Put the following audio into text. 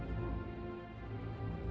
kamu saudara sendiri malah gak percaya padamu